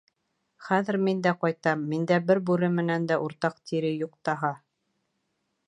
Хәҙер мин дә ҡайтам, миндә бер бүре менән дә уртаҡ тире юҡ таһа.